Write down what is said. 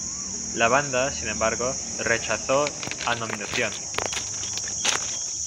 La banda, sin embargo, rechazó a nominación.